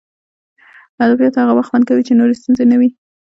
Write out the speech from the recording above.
ادبیات هغه وخت خوند کوي چې نورې ستونزې نه وي